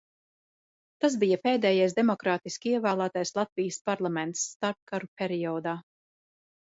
Tas bija pēdējais demokrātiski ievēlētais Latvijas parlaments starpkaru periodā.